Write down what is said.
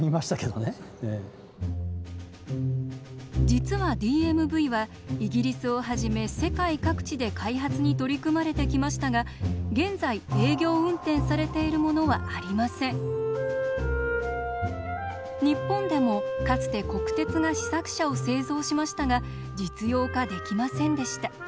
実はＤＭＶはイギリスをはじめ世界各地で開発に取り組まれてきましたが日本でもかつて国鉄が試作車を製造しましたが実用化できませんでした。